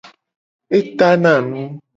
E tana nu.